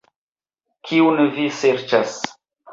Kiun vi serĉas?